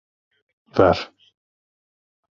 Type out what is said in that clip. Ver.